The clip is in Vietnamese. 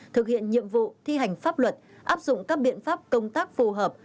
thực hiện nhiệm vụ thi hành pháp luật áp dụng các biện pháp công tác phù hợp